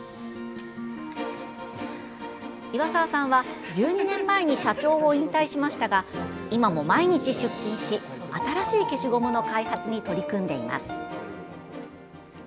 岩沢さんは１２年前に社長を引退しましたが今も毎日出勤し新しい消しゴムの開発に取り組んでいます。